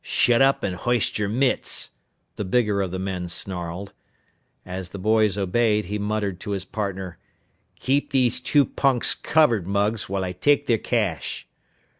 "Shut up and hoist your mitts!" the bigger of the men snarled. As the boys obeyed, he muttered to his partner, "Keep these two punks covered, Mugs, while I take their cash!"